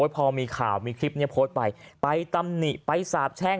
พอมีข่าวมีคลิปนี้โพสต์ไปไปตำหนิไปสาบแช่ง